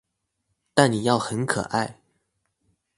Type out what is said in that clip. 但你要很可愛